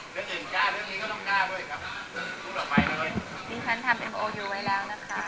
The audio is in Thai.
เรื่องนี้ก็ต้องได้ด้วยครับ